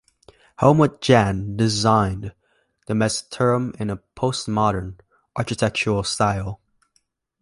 Helmut Jahn designed the Messeturm in a postmodern architectural style.